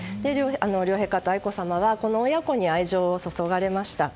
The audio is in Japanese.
両陛下と愛子さまは、この親子に愛情を注がれました。